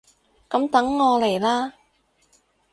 噉等我嚟喇！